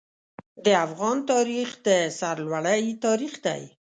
د افغان تاریخ د سرلوړۍ تاریخ دی.